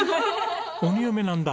鬼嫁なんだ。